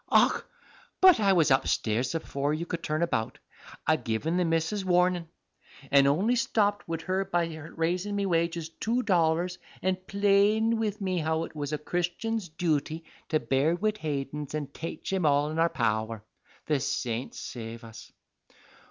Och! but I was upstairs afore you could turn about, a givin' the missus warnin'; an' only stopt wid her by her raisin' me wages two dollars and playdin' wid me how it was a Christian's duty to bear wid haythins and taitch 'em all in our power the saints save us!